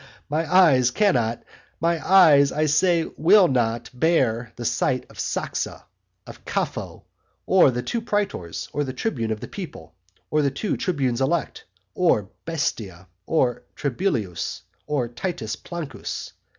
My eyes cannot my eyes, I say, will not bear the sight of Saxa, or Capho, or the two praetors, or the tribune of the people, or the two tribunes elect, or Bestia, or Trebellius, or Titus Plancus.